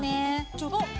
ちょっと。